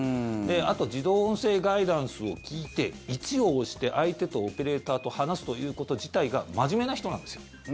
あと自動音声ガイダンスを聞いて「１」を押して相手と、オぺレーターと話すということ自体が真面目な人なんですよ。